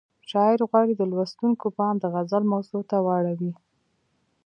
شاعر غواړي د لوستونکو پام د غزل موضوع ته واړوي.